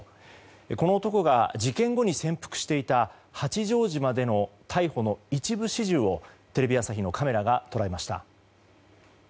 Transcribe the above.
この男が事件後に潜伏していた八丈島での逮捕の一部始終をテレビ朝日のカメラが捉えました。